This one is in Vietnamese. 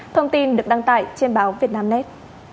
thông tin được đăng tải trên báo vietnamnet